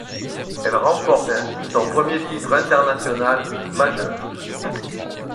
Elle remporte ainsi son premier titre international majeur.